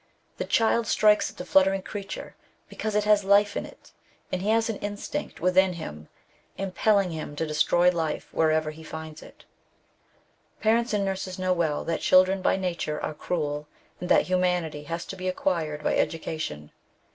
The child strikes at the fluttering creature because it has life in it, and he has an instinct within him impelling him to destroy life wherever he finds it. Parents and nurses know well that children by nature are cruel, and that humanity has to be acquired by education.